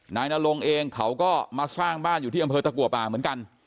นายนรงเองเขาก็มาสร้างบ้านอยู่ที่อำเภอตะกัวป่าเหมือนกัน